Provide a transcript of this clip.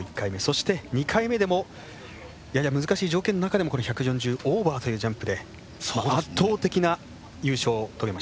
そして、２回目でもやや難しい条件の中でも１４０オーバーというジャンプで圧倒的な優勝を遂げました。